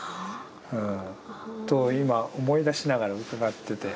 はあ。と今思い出しながら伺ってて。